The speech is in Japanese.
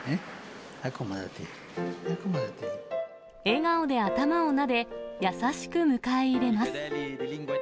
笑顔で頭をなで、優しく迎え入れます。